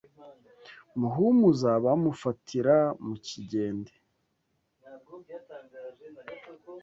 Muhumuza bamufatira mu Kigende